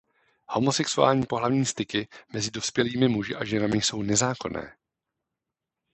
Homosexuální pohlavní styky mezi dospělými muži a ženami jsou nezákonné.